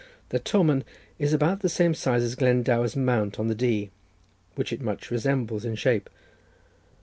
The Tomen is about the same size as Glendower's Mount on the Dee, which it much resembles in shape.